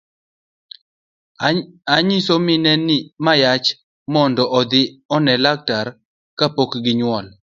Inyiso mine ma yach mondo odhi one laktar kapok ginyuol.